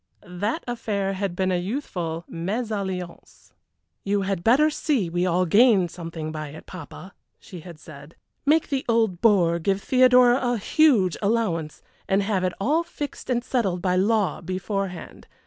That affair had been a youthful mésalliance. "You had better see we all gain something by it, papa," she had said. "Make the old bore give Theodora a huge allowance, and have it all fixed and settled by law beforehand.